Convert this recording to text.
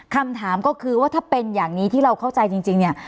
คำถามก็คือว่าถ้าเป็นอย่างนี้ที่เราเข้าใจจริงเนี่ย